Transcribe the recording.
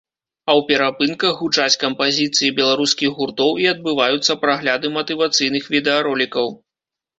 А ў перапынках гучаць кампазіцыі беларускіх гуртоў і адбываюцца прагляды матывацыйных відэаролікаў.